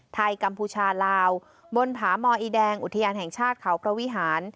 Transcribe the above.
กัมพูชาลาวบนผามอีแดงอุทยานแห่งชาติเขาพระวิหาร